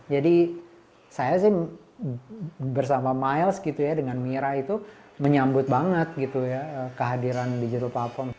jadi saya bersama miles dengan mira itu menyambut banget kehadiran digital platform